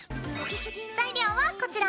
材料はこちら。